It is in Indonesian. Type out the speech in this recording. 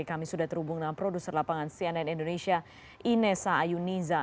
kami sudah terhubung dengan produser lapangan cnn indonesia inessa ayuniza